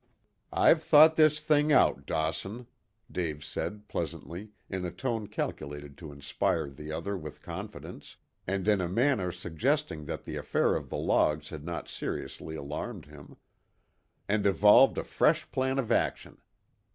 "I've thought this thing out, Dawson," Dave said pleasantly, in a tone calculated to inspire the other with confidence, and in a manner suggesting that the affair of the logs had not seriously alarmed him, "and evolved a fresh plan of action.